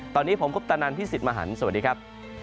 ตอนนี้ผมคุปตะนันพี่สิทธิ์มหันฯสวัสดีครับ